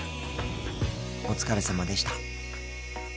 お疲れさまでした。